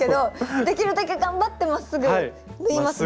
できるだけ頑張ってまっすぐ縫いますね。